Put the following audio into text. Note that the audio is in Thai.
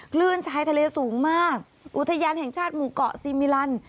คลื่นชายทะเลสูงมากอุทยานแห่งชาติหมู่เกาะซีมิลัน